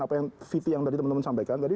apa yang vito yang tadi teman teman sampaikan